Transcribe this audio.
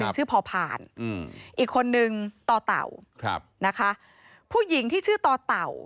ชื่อพอผ่านอืมอีกคนนึงต่อเต่าครับนะคะผู้หญิงที่ชื่อต่อเต่า